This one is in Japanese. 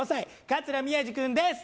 桂宮治君です！